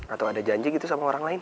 atau ada janji gitu sama orang lain